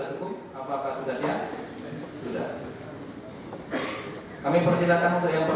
terima kasih untuk berkontrak dengan kami selama keseluruhan hari